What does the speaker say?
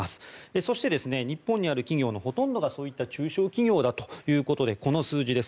そして、日本にある企業のほとんどがそういった中小企業だということでこの数字です。